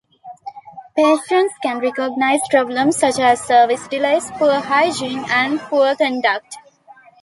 Patients can recognize problems such as service delays, poor hygiene, and poor conduct.